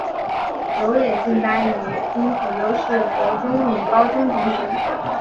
有野晋哉与滨口优是国中与高中同学。